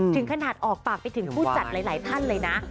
ถึงขนาดออกปากไปถึงผู้จัดหลายท่านเลยนะ